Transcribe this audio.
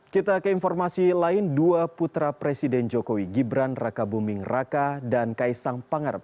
kita ke informasi lain dua putra presiden jokowi gibran rakabuming raka dan kaisang pangarap